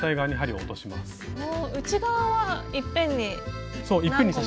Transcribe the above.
内側はいっぺんに何個も。